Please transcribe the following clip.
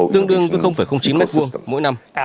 tương đương với chín mất vuông mỗi năm